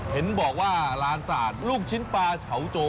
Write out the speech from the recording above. เห็นบอกว่าร้านสาธิตลูกชิ้นปลาชาวโจ